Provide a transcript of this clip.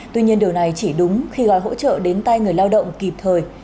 tuy nhiên điều này chỉ đúng khi gói hỗ trợ đến tay người lao động kịp thời